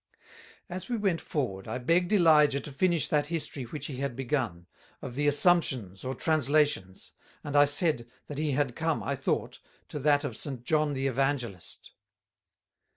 As we went forward, I begged Elijah to finish that history which he had begun, of the Assumptions or Translations; and I said, that he had come, I thought, to that of Saint John the Evangelist.